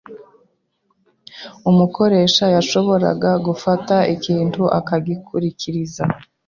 umukoresha yashoboraga gufata ikintu aka gikuririza